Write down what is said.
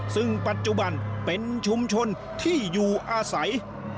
ซึ่งปัจจุบันเป็นชุมชนที่อยู่อาศัย